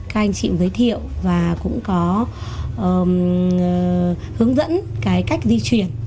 các anh chị cũng giới thiệu và cũng có hướng dẫn cái cách di chuyển